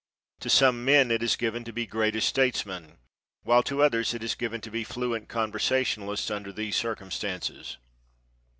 To some men it is given to be great as statesmen, while to others it is given to be fluent conversationalists under these circumstances.